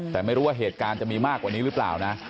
แต่ไม่รู้ว่าเหตุการณ์จะมีมากกว่านี้หรือเปล่านะ